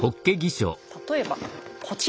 例えばこちら。